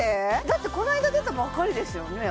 だってこの間出たばっかりですよね